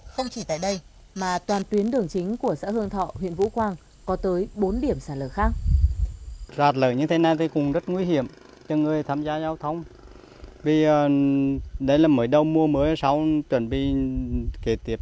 không chỉ tại đây mà toàn tuyến đường chính của xã hương thọ huyện vũ quang có tới bốn điểm sạt lở khác